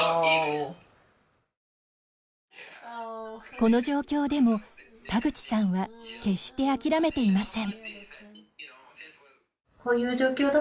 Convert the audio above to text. この状況でも田口さんは決して諦めていません。